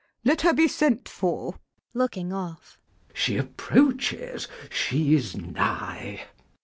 Let her be sent for. CHASUBLE. [Looking off.] She approaches; she is nigh.